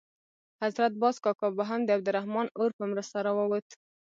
حضرت باز کاکا به هم د عبدالرحمن اور په مرسته راووت.